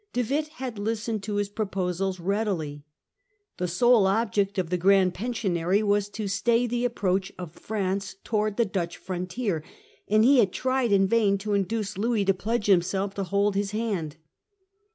De Witt had listened to his proposals readily. The sole object of the Grand Pensionary was to stay the approach of France towards the Dutch frontier, and he had tried in vain to induce Louis to pledge himself to hold his hand.